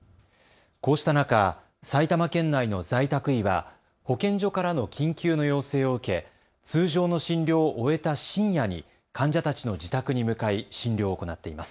こうした中、埼玉県内の在宅医は保健所からの緊急の要請を受け通常の診療を終えた深夜に患者たちの自宅に向かい診療を行っています。